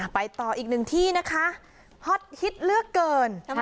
ไปต่ออีกหนึ่งที่นะคะฮอตฮิตเลือกเกิน